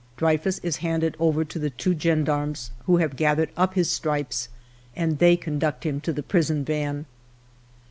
Dreyfus is handed over to the two gendarmes, who have gathered up his stripes, and they conduct him to the prison van.